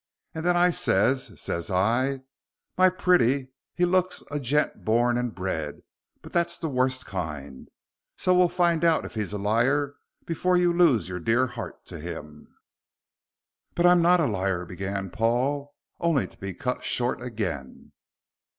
And then I ses, ses I, 'My pretty, he looks a gent born and bred, but that's the wust kind, so we'll find out if he's a liar before you loses your dear heart to him.'" "But I'm not a liar " began Paul, only to be cut short again.